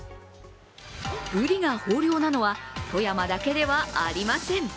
ぶりが豊漁なのは富山だけではありません。